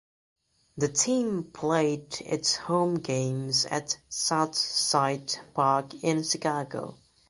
The team played its home games at South Side Park in Chicago.